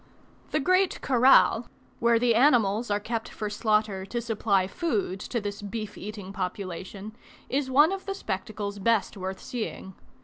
The great corral, where the animals are kept for slaughter to supply food to this beef eating population, is one of the spectacles best worth seeing.